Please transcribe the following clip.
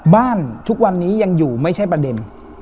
ทุกวันนี้ยังอยู่ไม่ใช่ประเด็น